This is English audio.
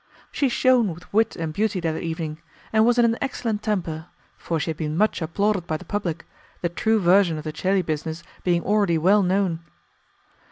She shone with wit and beauty that evening, and was in an excellent temper, for she had been much applauded by the public, the true version of the Celi business being already well known.